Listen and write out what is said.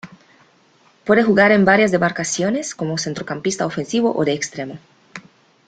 Puede jugar en varias demarcaciones, como centrocampista ofensivo o de extremo.